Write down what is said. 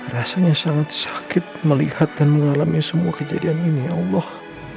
rasanya sangat sakit melihat dan mengalami semua kejadian ini ya allah